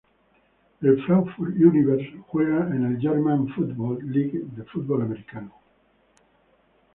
El Frankfurt Universe juega en la German Football League de fútbol americano.